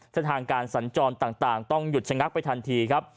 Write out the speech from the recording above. เส้นทางการสัญจรต่างต้องหยุดชะงักไปทันทีครับ